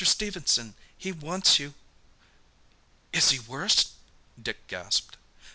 Stephenson, he wants you!" "Is he worse?" Dick gasped.